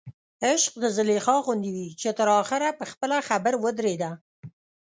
عشق د زلیخا غوندې وي چې تر اخره په خپله خبر ودرېده.